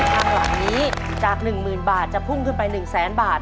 ข้างหลังนี้จาก๑หมื่นบาทจะพุ่งขึ้นไป๑แสนบาท